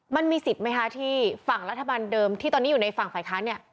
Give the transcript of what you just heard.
มันมีสิทธิ์ไหมคะที่ฝั่งรัฐบาลเดิมที่ตอนนี้อยู่ในฝั่งฝ่ายค้านเนี่ย